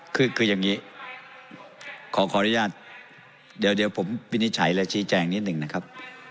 คืออย่างนี้ขออนุญาตเดี๋ยวผมวินิจฉัยและชี้แจงนิดหนึ่งนะครับ